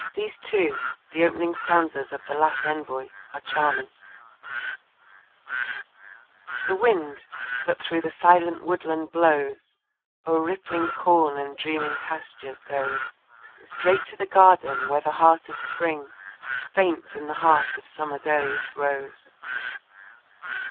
These too, the opening stanzas of The Last Envoy, are charming: The Wind, that through the silent woodland blows O'er rippling corn and dreaming pastures goes Straight to the garden where the heart of Spring Faints in the heart of Summer's earliest rose.